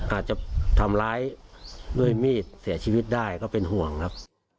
อาจจะทำร้ายด้วยมีดเสียชีวิตได้ก็เป็นห่วงครับ